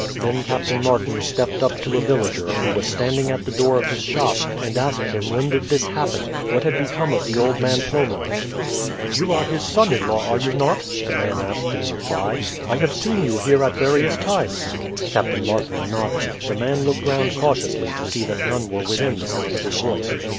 Then Captain Martin stepped up to a villager, who was standing at the door of his shop, and asked him when did this happen, what had become of the old man Plomaert? "You are his son in law, are you not?" the man asked in reply. "I have seen you here at various times." Captain Martin nodded. The man looked round cautiously to see that none were within sound of his voice.